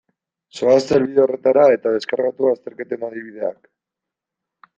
Zoazte helbide horretara eta deskargatu azterketen adibideak.